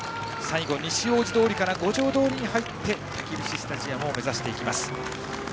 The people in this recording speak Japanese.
西大路通から五条通に入ってたけびしスタジアムを目指していきます。